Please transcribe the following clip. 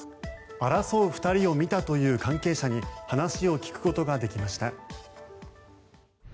争う２人を見たという関係者に話を聞くことができました。